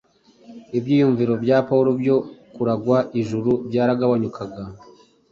Ibyiringiro bya Pawulo byo kuragwa ijuru byaragabanyukaga